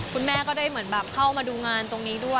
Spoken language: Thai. คุณแม่ก็ได้เหมือนแบบเข้ามาดูงานตรงนี้ด้วย